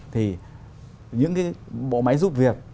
thì những cái bộ máy giúp việc